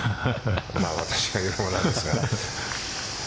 私が言うのもなんですが。